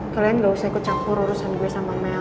kalian gak usah ikut campur urusan gue sama mel